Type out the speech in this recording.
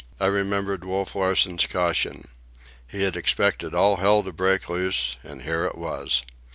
I remembered Wolf Larsen's caution. He had expected all hell to break loose, and here it was.